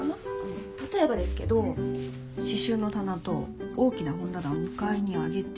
例えばですけど刺繍の棚と大きな本棚を２階に上げて。